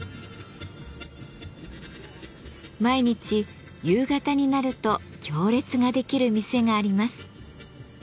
毎日夕方になると行列ができる店があります。